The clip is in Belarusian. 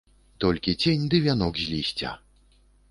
Толькі цень ды вянок з лісця!